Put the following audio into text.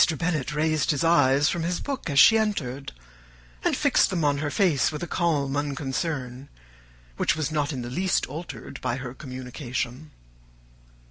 Bennet raised his eyes from his book as she entered, and fixed them on her face with a calm unconcern, which was not in the least altered by her communication.